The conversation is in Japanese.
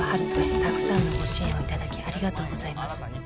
「たくさんのご支援をいただきありがとうございます」